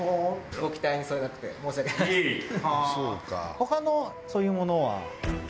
他のそういうものは？